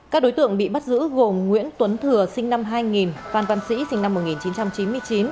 các đối tượng bị bắt giữ gồm nguyễn tuấn thừa sinh năm hai nghìn phan văn sĩ sinh năm một nghìn chín trăm chín mươi chín